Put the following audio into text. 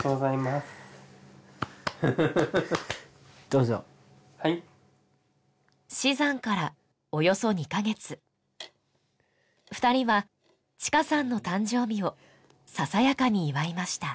どうぞはい死産からおよそ２カ月２人はちかさんの誕生日をささやかに祝いました